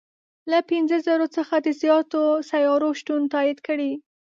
له پنځه زرو څخه د زیاتو سیارو شتون تایید کړی.